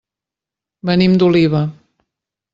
Venim d'Oliva.